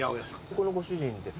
ここのご主人ですか？